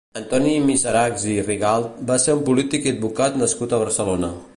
Antoni Miserachs i Rigalt va ser un polític i advocat nascut a Barcelona.